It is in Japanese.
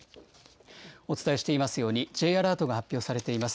お伝えしていますように、Ｊアラートが発表されています。